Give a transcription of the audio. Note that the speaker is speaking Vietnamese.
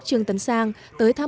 trương tấn sang và phu nhân